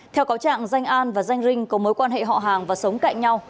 theo cáo trạng danh an và danh rinh có mối quan hệ họ hàng và sống cạnh nhau